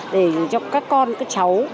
để cho các con các cháu